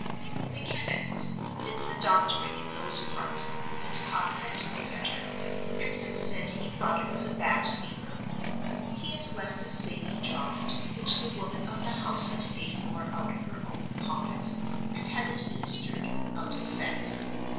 The chemist (who did the doctoring in those parts) had come and looked at her, and had said he thought it was a bad fever. He had left a "saline draught," which the woman of the house had paid for out of her own pocket, and had administered without effect.